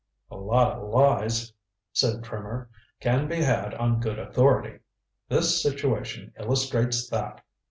"A lot of lies," said Trimmer, "can be had on good authority. This situation illustrates that.